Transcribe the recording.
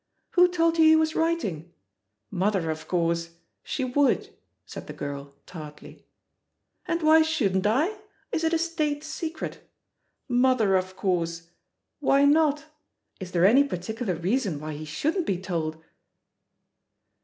"Who told you he was writing? Mother, of course. She would !" said the girl tartly. "And why shouldn't I? Is it a State secret? ^Mother, of course' 1 Why not? Is there any particular reason why he shouldn't be told?"